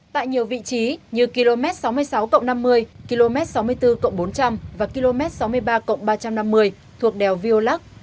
tại nhiều vị trí như km sáu mươi sáu năm mươi km sáu mươi bốn cộng bốn trăm linh và km sáu mươi ba ba trăm năm mươi thuộc đèo viêu lắc